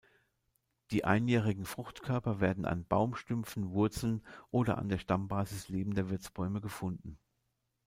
Die einjährigen Fruchtkörper werden an Baumstümpfen, Wurzeln oder an der Stammbasis lebender Wirtsbäume gefunden.